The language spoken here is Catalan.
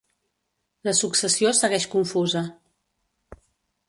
La successió segueix confusa.